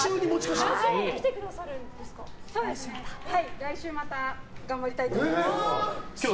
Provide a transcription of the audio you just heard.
来週また頑張りたいと思います。